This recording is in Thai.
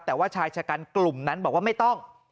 แต่ว่าชายชะกันกลุ่มนั้นบอกว่าไม่ต้อง